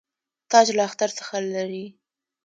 تاج له اختر څخه لري.